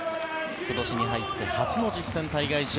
今年に入って初の実戦対外試合